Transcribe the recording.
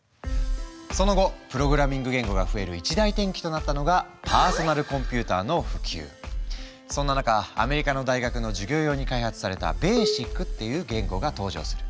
その後プログラミング言語が増える一大転機となったのがそんな中アメリカの大学の授業用に開発された「ＢＡＳＩＣ」っていう言語が登場する。